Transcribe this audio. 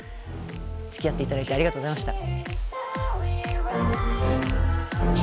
つきあって頂いてありがとうございました。